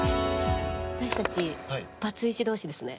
私たちバツイチ同士ですね。